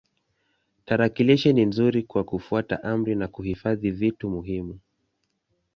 Tarakilishi ni nzuri kwa kufuata amri na kuhifadhi vitu muhimu.